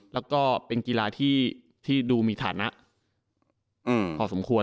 แล้วก็เป็นกีฬาที่ดูมีฐานะพอสมควร